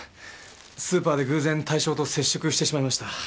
スーパーで偶然対象と接触してしまいました。